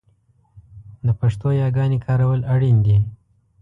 د پښتو یاګانې کارول اړین دي